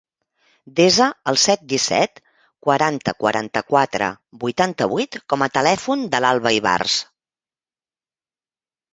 Desa el set, disset, quaranta, quaranta-quatre, vuitanta-vuit com a telèfon de l'Alba Ibarz.